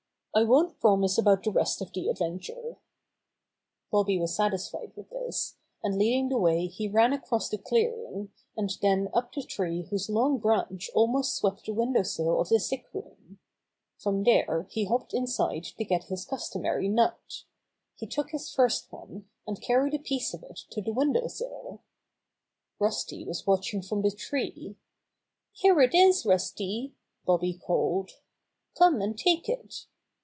"I won't promise about the rest of the adventure." Bobby was satisfied with this, and leading the way he ran across the clearing, and then up the tree whose long branch almost swept the window sill of the sick room. From there he hopped inside to get his customary nut. He 44 Bobby Gray SquirreFs Adventures took his first one and carried a piece of it to the window sill. Rusty was watching from the tree. *'Here it is, Rusty 1" Bobby called. ^'Come and take it."